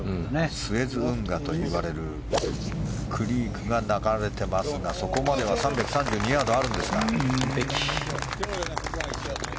スエズ運河といわれるクリークが流れてますが、そこまでは３３２ヤードあるんですが。